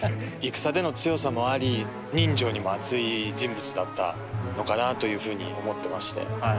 戦での強さもあり人情にもあつい人物だったのかなというふうに思ってまして。